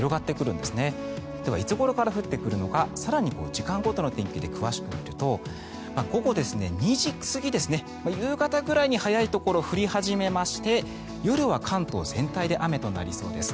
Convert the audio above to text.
ではいつごろから降ってくるのか更に時間ごとの天気で詳しく見ると、午後２時過ぎ夕方ぐらいに早いところ降り始めまして夜は関東全体で雨となりそうです。